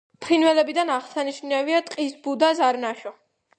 ფრინველებიდან აღსანიშნავია ტყის ბუ და ზარნაშო.